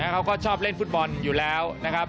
เขาก็ชอบเล่นฟุตบอลอยู่แล้วนะครับ